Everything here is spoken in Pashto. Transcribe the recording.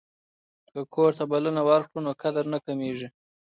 که کور ته بلنه ورکړو نو قدر نه کمیږي.